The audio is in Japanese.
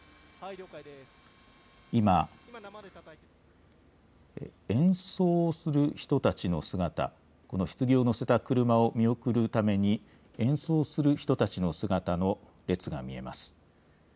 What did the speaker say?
今、演奏をする人たちの姿、このひつぎを乗せた車を見送るために演奏する人たちの姿の列が見えます。